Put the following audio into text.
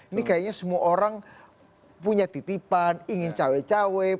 ini kayaknya semua orang punya titipan ingin cawe cawe